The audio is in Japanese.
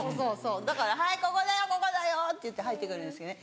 だから「はいここだよここだよ」って言って入って来るんですけどね。